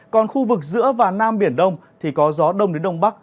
còn khu vực giữa và nam biển đông thì có gió đông đến đông bắc